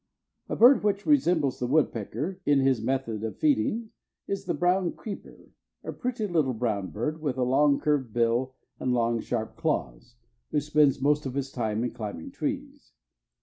A bird which resembles the woodpecker in his method of feeding, is the brown creeper, a pretty little brown bird, with a long curved bill and long sharp claws, who spends most of his time in climbing trees.